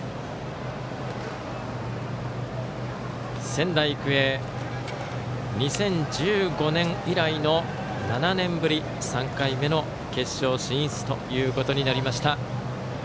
仙台育英、２０１５年以来の７年ぶり３回目の決勝進出となりました。